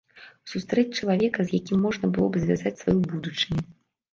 Сустрэць чалавека, з якім можна было б звязаць сваю будучыню.